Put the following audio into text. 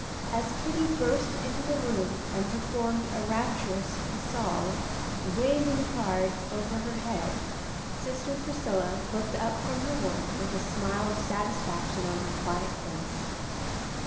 As Kitty burst into the room and performed a rapturous pas seul, waving the cards over her head, sister Priscilla looked up from her work with a smile of satisfaction on her quiet face.